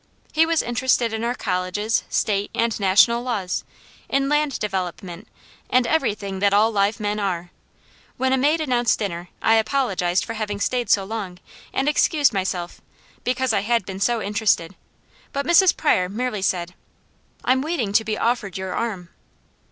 He was interested in our colleges, state, and national laws, in land development, and everything that all live men are. When a maid announced dinner I apologized for having stayed so long, and excused myself, because I had been so interested, but Mrs. Pryor merely said: 'I'm waiting to be offered your arm.'